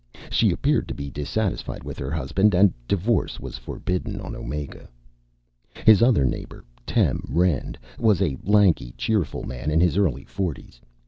She appeared to be dissatisfied with her husband; and divorce was forbidden on Omega. His other neighbor, Tem Rend, was a lanky, cheerful man in his early forties.